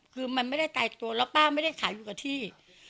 คือมันไม่ได้ตายตัวแล้วป้าไม่ได้ขายอยู่กับที่